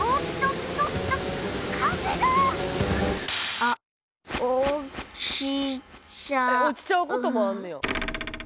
えっ落ちちゃうこともあんねや？